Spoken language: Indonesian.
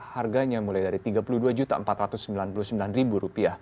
harganya mulai dari rp tiga puluh dua empat ratus sembilan puluh sembilan